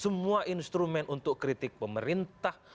semua instrumen untuk kritik pemerintah